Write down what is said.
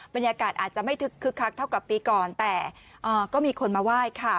บรรยากาศอาจจะไม่คึกคักเท่ากับปีก่อนแต่ก็มีคนมาไหว้ค่ะ